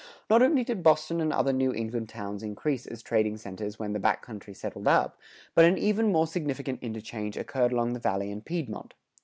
Not only did Boston and other New England towns increase as trading centers when the back country settled up, but an even more significant interchange occurred along the Valley and Piedmont.